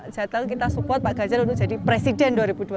jadi jateng kita support pak ganjar untuk jadi presiden dua ribu dua puluh empat